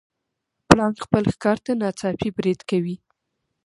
پړانګ خپل ښکار ته ناڅاپي برید کوي.